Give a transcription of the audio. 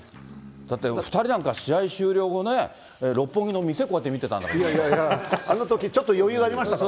だって２人なんか試合終了後ね、六本木の店、こうやって見てあのとき、ちょっと余裕ありましたから。